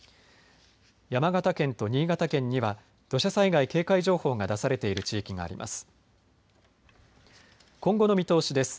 山形県と新潟県には土砂災害警戒情報が出されている地域があります。